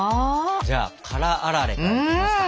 じゃあ辛あられからいきますか。